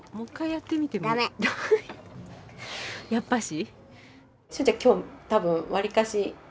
やっぱし？